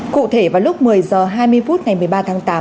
cụ thể vào lúc một mươi h hai mươi phút ngày một mươi ba tháng tám